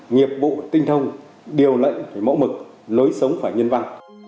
nghiệp vụ tinh thông điều lệnh phải mẫu mực lối sống phải nhân văn